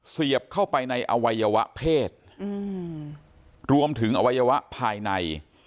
เสียบเข้าไปในอวัยวะเพศรวมถึงอวัยวะภายใน